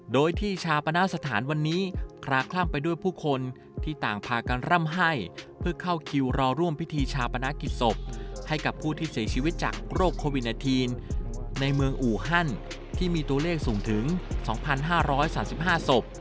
โดยที่ชาปนาสถานวันนี้คลาคล่ำไปด้วยผู้คนที่ต่างพากันร่ำให้เพื่อเข้าคิวรอร่วมพิธีชาปนกิจศพให้กับผู้ที่เสียชีวิตจากโรคโควิด๑๙ในเมืองอูฮันที่มีตัวเลขสูงถึง๒๕๓๕ศพ